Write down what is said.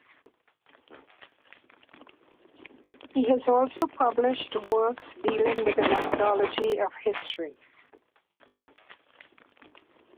He has also published works dealing with the methodology of history.